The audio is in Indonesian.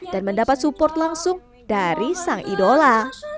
dan mendapat support langsung dari sang idola